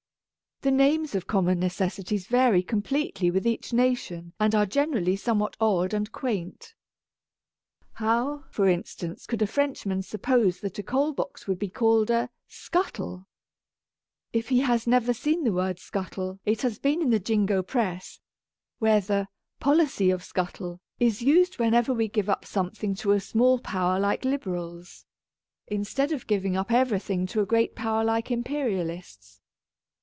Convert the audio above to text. The names of common necessities vary completely with each nation and are generally somewhat odd and quaint. How, for instance, could a Frenchman suppose that a coalbox would be called a scuttle"? It he has ever seen the word scuttle it has been in the Jingo Press, where the " policy of scuttle " is used whenever we give up something to a small Power like Liberals, instead of giv ing up everything to a great Power like Imperialists.